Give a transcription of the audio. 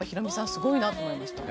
すごいなと思いました。